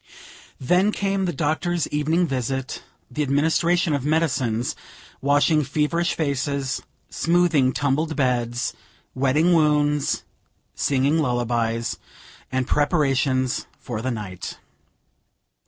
Then came the doctor's evening visit; the administration of medicines; washing feverish faces; smoothing tumbled beds; wetting wounds; singing lullabies; and preparations for the night.